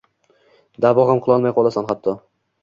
Da’vo ham qilolmay qolasan, hatto